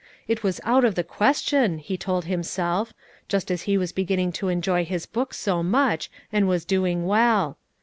It was out of the question, he told himself, just as he was beginning to enjoy his books so much, and was doing well.